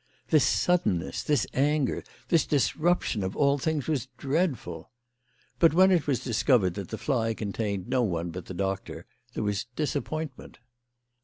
This suddenness, this anger, this disruption of all things was dreadful ! But when it was discovered that the fly contained no one but the doctor there was disappointment.